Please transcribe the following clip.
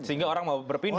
sehingga orang mau berpindah